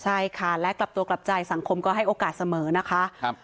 ใช่ค่ะและกลับตัวกลับใจสังคมก็ให้โอกาสเสมอนะคะ